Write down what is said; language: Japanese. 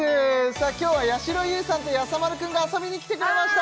今日はやしろ優さんとやさ丸くんが遊びにきてくれました